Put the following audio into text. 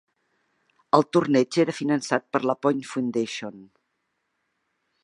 El torneig era finançat per la Point Foundation.